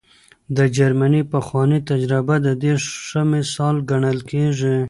د جرمني پخوانۍ تجربه د دې ښه مثال ګڼل کېږي.